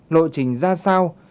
lộ trình ra sao